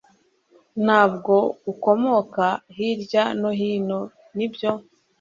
Ntabwo ukomoka hirya no hino, nibyo?